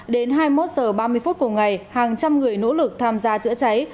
đến hai mươi một giờ ba mươi phút của ngày hàng trăm người nỗ lực tham gia chữa cháy